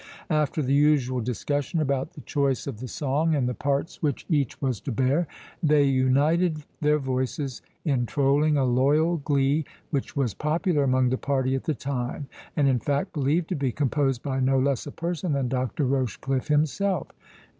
After the usual discussion about the choice of the song, and the parts which each was to bear, they united their voices in trolling a loyal glee, which was popular among the party at the time, and in fact believed to be composed by no less a person than Dr. Rochecliffe himself.